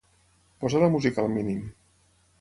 Posa la música al mínim.